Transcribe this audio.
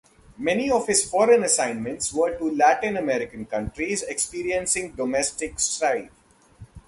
Many of his foreign assignments were to Latin American countries experiencing domestic strife.